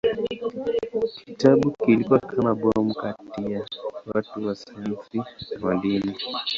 Kitabu kilikuwa kama bomu kati ya watu wa sayansi na wa dini.